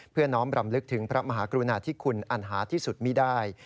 เพื่อน้องบรรมลึกถึงพระมหากรุณาธิคุณอันหาที่สุดมีด้าย